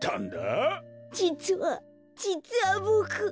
じつはじつはボク。